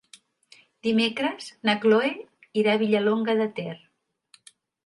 Dimecres na Chloé irà a Vilallonga de Ter.